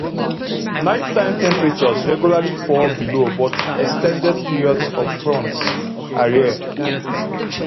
Nighttime temperatures regularly fall below but extended periods of frost are rare.